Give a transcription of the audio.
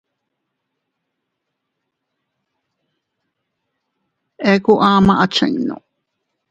A eku ama a chinnu.